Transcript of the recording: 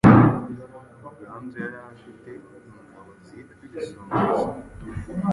Ruganzu yarafite ingabo zitwa Ibisumizi